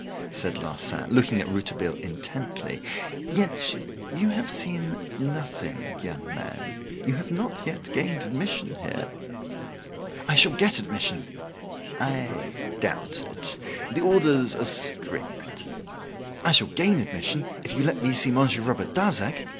said Larsan, looking at Rouletabille intently, "yet you have seen nothing, young man you have not yet gained admission here!" "I shall get admission." "I doubt it. The orders are strict." "I shall gain admission, if you let me see Monsieur Robert Darzac.